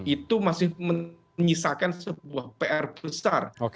itu masih menyisakan sebuah pr besar